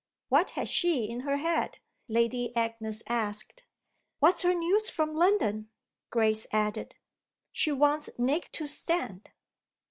"What has she in her head?" Lady Agnes asked. "What's her news from London?" Grace added. "She wants Nick to stand."